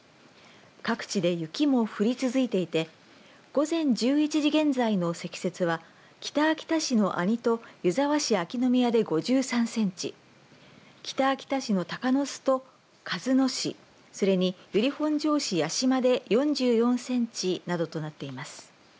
各地で雪も降り続いていて午前１１時現在の積雪は北秋田市の阿仁と湯沢市秋ノ宮で５３センチ北秋田市鷹巣と鹿角市それに由利本荘市矢島で４４センチなどとなっています。